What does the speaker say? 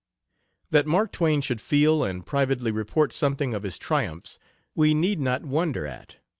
That Mark Twain should feel and privately report something of his triumphs we need not wonder at.